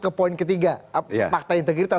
ke poin ketiga fakta integritas